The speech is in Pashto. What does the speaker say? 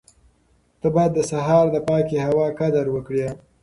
ته باید د سهار د پاکې هوا قدر وکړې.